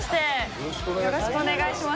よろしくお願いします。